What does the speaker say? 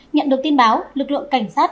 nhận được tin báo lực lượng cảnh sát